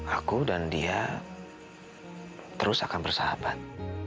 aku dan dia terus akan bersahabat